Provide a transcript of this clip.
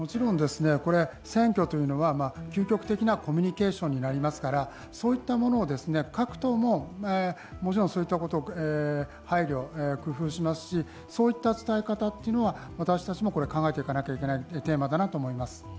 選挙というのは究極的なコミュニケーションになりますから各党ももちろんそういったことを配慮、工夫しますしそういった伝え方は私たちも考えていかなければならないテーマかなと思います。